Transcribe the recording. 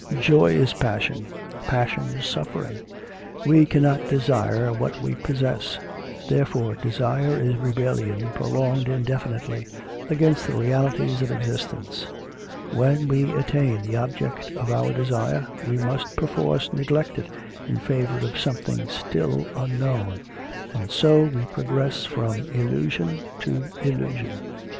Joy is passion, passion is suffering; we cannot desire what we possess; therefore desire is rebellion prolonged indefinitely against the realities of existence; when we attain the object of our desire, we must perforce neglect it in favour of something still unknown, and so we progress from illusion to illusion.